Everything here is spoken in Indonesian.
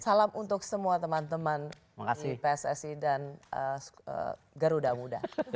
salam untuk semua teman teman di pssi dan garuda muda